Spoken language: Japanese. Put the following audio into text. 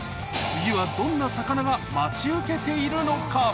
次はどんな魚が待ち受けているのか？